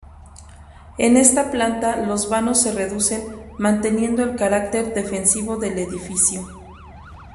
En esta planta los vanos se reducen manteniendo el carácter defensivo del edificio.